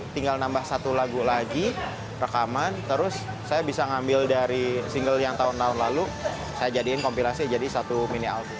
tinggal nambah satu lagu lagi rekaman terus saya bisa ngambil dari single yang tahun tahun lalu saya jadiin kompilasi jadi satu mini alfie